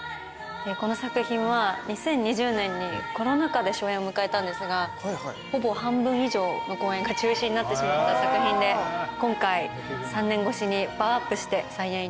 この作品は２０２０年にコロナ禍で初演を迎えたんですがほぼ半分以上の公演が中止になってしまった作品で今回３年越しにパワーアップして再演いたします。